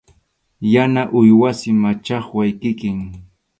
Yana uywasi, machʼaqway kikin.